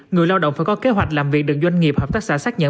người lao động phải có kế hoạch làm việc được doanh nghiệp hợp tác xã xác nhận